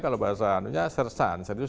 kalau bahasanya sersan serius